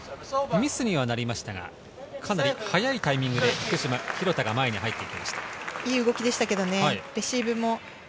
ミスにはなりましたが、かなり早いタイミングで廣田が前に入ってきました。